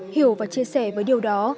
hiểu và chia sẻ với điều đó